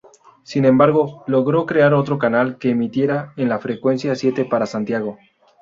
Sin embargo, logró crear otro canal que emitiera en la frecuencia siete para Santiago.